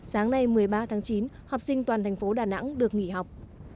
sáng nay một mươi ba tháng chín học sinh toàn thành phố đà nẵng được nghỉ học